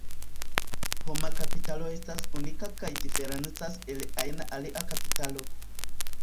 Homa kapitalo estas unika kaj diferencas el ajna alia kapitalo.